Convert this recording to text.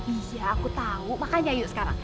iya aku tahu makanya yuk sekarang